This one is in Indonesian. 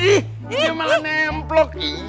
ini malah nempelok